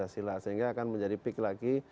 sehingga akan menjadi peak lagi